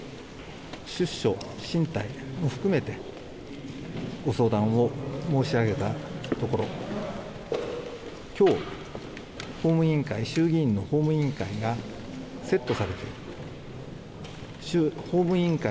出処進退も含めてご相談を申し上げたところ今日、衆議院の法務委員会がセットされて法務委員会